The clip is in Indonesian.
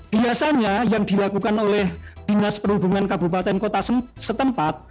biasanya yang dilakukan oleh dinas perhubungan kabupaten kota setempat